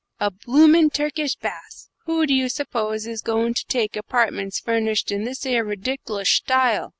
A bloomin' Turkish baths! Who do you suppose is goin' to take apartments furnished in this 'ere ridic'loush style?